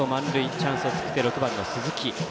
チャンスを作って６番の鈴木。